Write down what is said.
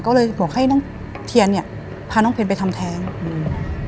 ก็เลยบอกให้น้องเทียนเนี้ยพาน้องเพนไปทำแท้งอืม